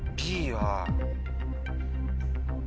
Ｂは。